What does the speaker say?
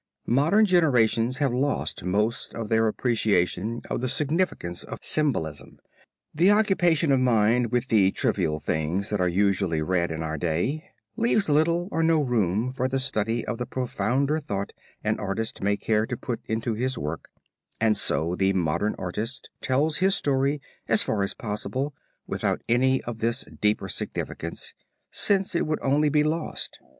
Modern generations have lost most of their appreciation of the significance of symbolism. The occupation of mind with the trivial things that are usually read in our day, leaves little or no room for the study of the profounder thought an artist may care to put into his work, and so the modern artist tells his story as far as possible without any of this deeper significance, since it would only be lost.